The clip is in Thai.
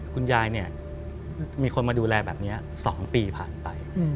คุณยายเนี่ยมีคนมาดูแลแบบนี้๒ปีผ่านไป